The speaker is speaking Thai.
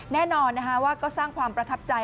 แน่นอนว่าก็สร้างความประทับใจ